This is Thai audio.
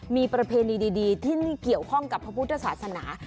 มีประเพณีดีที่เกี่ยวข้องกับพระพุทธศาสนา